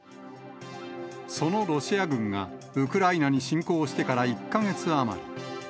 そのロシア軍が、ウクライナに侵攻してから１か月余り。